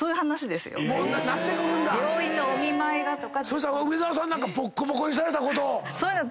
そしたら梅沢さんなんかボッコボコにされたことを。